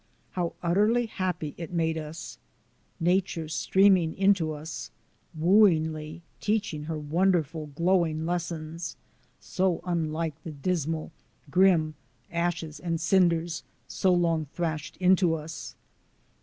How utterly happy it made us! Nature streaming into us, wooingly teaching her wonderful, glowing lessons so unlike the dismal, grim ashes and cinders so long thrashed into us.